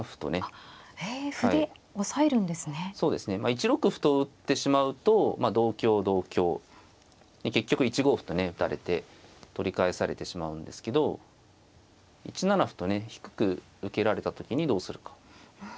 １六歩と打ってしまうと同香同香結局１五歩とね打たれて取り返されてしまうんですけど１七歩とね低く受けられた時にどうするか。